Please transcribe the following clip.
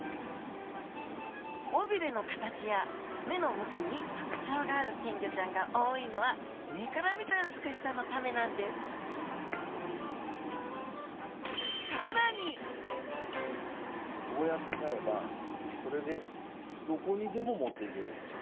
尾びれの形や目の向きに特徴がある金魚ちゃんが多いのは上から見た美しさのためなんですこうやって飼えばこれでどこにでも持っていけるでしょ？